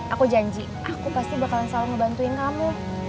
aku janji aku pasti bakalan selalu ngebantuin kamu